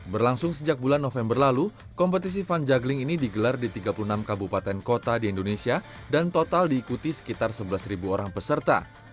berlangsung sejak bulan november lalu kompetisi fun juggling ini digelar di tiga puluh enam kabupaten kota di indonesia dan total diikuti sekitar sebelas orang peserta